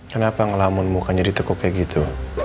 kenapa ngelamun muka jadi tekuk kayak gitu